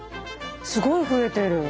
すごい増えてる。